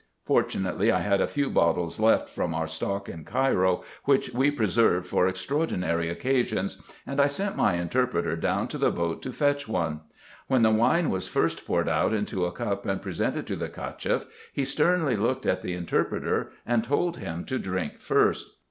Fortunately I had a few bottles left from our stock in Cairo, which we preserved for extraordinary occasions ; and I sent my interpreter down to the boat to fetch one. When the wine was first poured out into a cup and presented to the Cacheff, he sternly looked at the in terpreter, and told him to drink first.